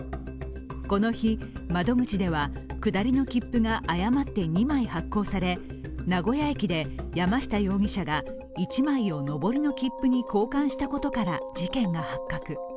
この日、窓口では、下りの切符が誤って２枚発行され名古屋駅で山下容疑者が１枚を上りの切符に交換したことから事件が発覚。